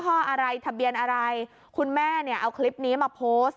ข้ออะไรทะเบียนอะไรคุณแม่เนี่ยเอาคลิปนี้มาโพสต์